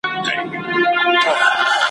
د لومړي ځل لپاره خپل شعر ولووست ,